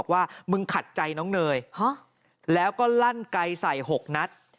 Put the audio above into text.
ว่ามึงขัดใจน้องเนยแล้วก็ลั่นไกลใส่๖นัด